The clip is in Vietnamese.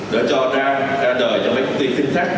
để cho ra đời cho mấy công ty phim phát